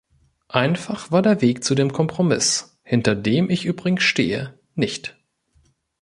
Einfach war der Weg zu dem Kompromiss, hinter dem ich übrigens stehe, nicht.